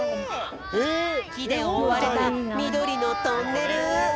きでおおわれたみどりのトンネル。